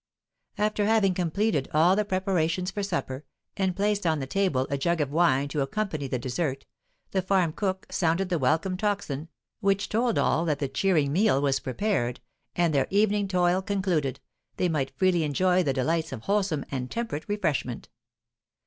After having completed all the preparations for supper, and placed on the table a jug of wine to accompany the dessert, the farm cook sounded the welcome tocsin, which told all that the cheering meal was prepared, and, their evening toil concluded, they might freely enjoy the delights of wholesome and temperate refreshment.